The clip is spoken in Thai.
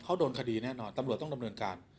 เขาโดนคดีแน่นอนตำรวจต้องดำเนินการ